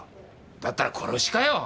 だったら殺しかよ？